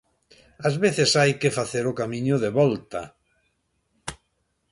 Ás veces hai que facer o camiño de volta.